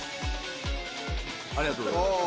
ありがとうございます。